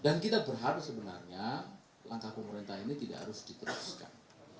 dan kita berharap sebenarnya langkah pemerintah ini tidak harus diterapkan